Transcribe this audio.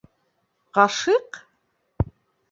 Ғашиҡ?